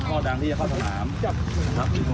ประชาชนคุยกับประชาชน